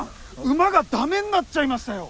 馬が駄目になっちゃいましたよ！」。